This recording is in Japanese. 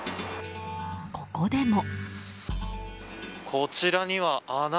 ここでも。